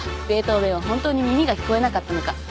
ベートーベンは本当に耳が聞こえなかったのか。